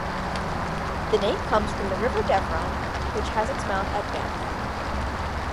The name comes from the River Deveron, which has its mouth at Banff.